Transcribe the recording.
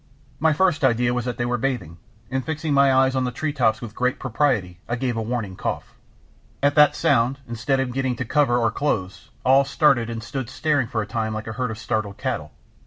My first idea was that they were bathing, and fixing my eyes on the tree tops with great propriety, I gave a warning cough. At that sound instead of getting to cover, or clothes, all started up and stood staring for a time like a herd of startled cattle.